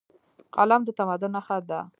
قلم د تمدن نښه ده.